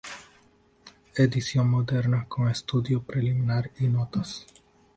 Edición moderna con estudio preliminar y notas.